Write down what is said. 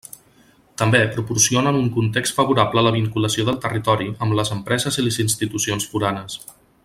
També proporcionen un context favorable a la vinculació del territori amb les empreses i les institucions foranes.